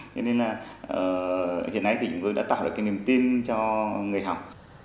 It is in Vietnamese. cho nên là hiện nay thì chúng tôi đã tạo được cái niềm tin cho người học